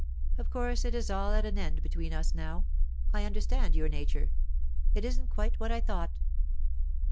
Of course it is all at an end between us now. I understand your nature; it isn't quite what I thought."